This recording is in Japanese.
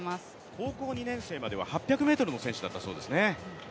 高校２年生までは８００ｍの選手だったそうですね。